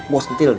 mau sentil nih